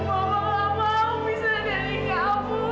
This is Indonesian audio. mama gak mau bisa dari kamu